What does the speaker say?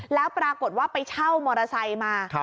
แล้วปรากฏว่าไปเช่ามอเตอร์ไซค์มา